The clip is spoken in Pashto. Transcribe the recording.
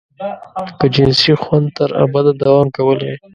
که جنسي خوند تر ابده دوام کولای.